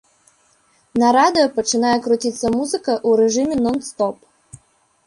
На радыё пачынае круціцца музыка ў рэжыме нон-стоп.